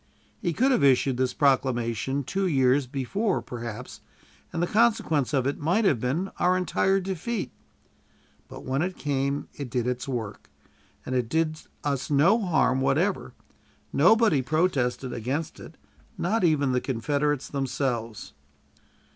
He could have issued this proclamation two years before, perhaps, and the consequence of it might have been our entire defeat; but when it came it did its work, and it did us no harm whatever. Nobody protested against it, not even the Confederates themselves.